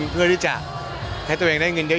เพื่อที่จะให้ตัวเองได้เงินเยอะ